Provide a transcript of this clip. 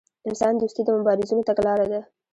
انسان دوستي د مبارزینو تګلاره ده.